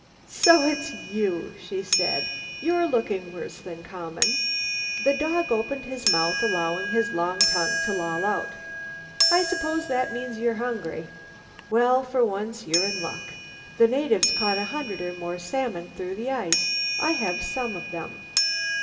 "So it's you," she said; "you're looking worse than common." The dog opened his mouth, allowing his long tongue to loll out. "I suppose that means you're hungry. Well, for once you are in luck. The natives caught a hundred or more salmon through the ice. I have some of them.